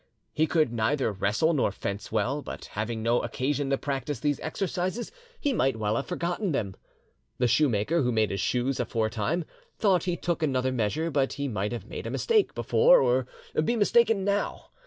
He could neither wrestle nor fence well, but having no occasion to practise these exercises he might well have forgotten them. The shoemaker—who made his shoes afore time, thought he took another measure, but he might have made a mistake before or be mistaken now.